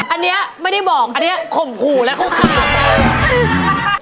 อันนี้ไม่ได้บอกอันนี้ข่มขู่แล้วเขาขาด